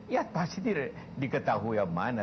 ya pasti diketahui yang mana